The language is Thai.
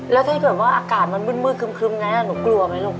แล้วถ้าเกิดว่าอากาศมันมืดครึ้มไงหนูกลัวไหมลูก